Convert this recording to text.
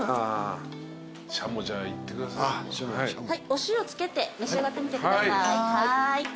お塩付けて召し上がってみてください。